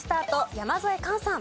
山添寛さん。